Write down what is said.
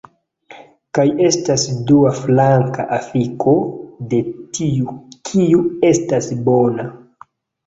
Kaj estas dua flanka afiko de tiu kiu estas bona